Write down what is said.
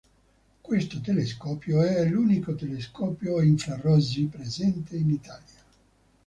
Questo telescopio è l'unico telescopio a infrarossi presente in Italia.